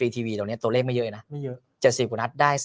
ตัวนี้ตัวเลขไม่เยอะนะไม่เยอะเจ็ดสี่หนึ่งนัดได้๑๐